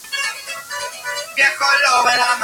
Se encuentra amenazada por perdida de hábitat.